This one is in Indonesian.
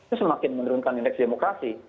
itu semakin menurunkan indeks demokrasi